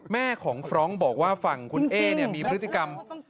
แม่ของฟรองก์บอกว่าฝั่งคุณเอ๊มีพฤติกรรม